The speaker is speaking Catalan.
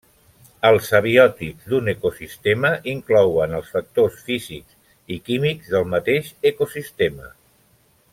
Els abiòtics d'un ecosistema inclouen els factors físics i químics del mateix ecosistema.